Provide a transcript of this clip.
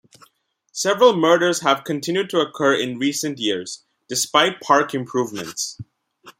Several murders have continued to occur in recent years, despite park improvements.